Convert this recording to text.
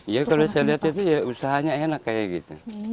ya kalau saya lihat itu ya usahanya enak kayak gitu